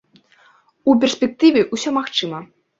У перспектыве ўсё магчыма.